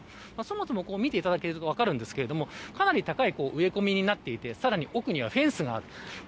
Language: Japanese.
その後、見ていただきますと分かりますがかなり高い植え込みになっていて奥にはフェンスがあります。